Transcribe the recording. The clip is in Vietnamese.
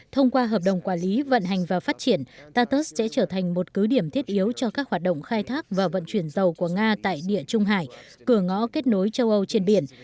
thông qua hợp đồng quản lý vận hành và phát triển tartus sẽ trở thành một cứ điểm thiết yếu cho các hoạt động khai thác và vận chuyển dầu của nga tại địa trung hải cửa ngõ kết nối châu âu trên biển